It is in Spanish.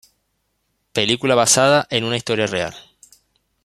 Película basada en una historia real.